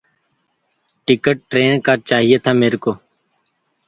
His brother Benjamin Williams Leader became a famous landscape artist.